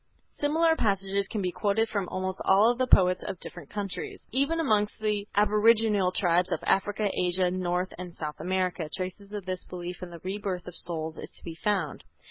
Similar passages can be quoted from almost all the poets of different countries. Even amongst the aboriginal tribes of Africa, Asia, North and South America, traces of this belief in the rebirth of souls is to be found.